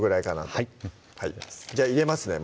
はいじゃあ入れますね